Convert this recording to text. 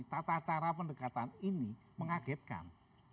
tata cara pendekatan ini mengagetkan